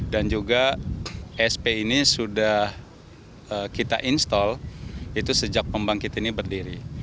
dan juga esp ini sudah kita install itu sejak pembangkit ini berdiri